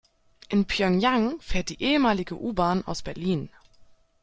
In Pjöngjang fährt die ehemalige U-Bahn aus Berlin.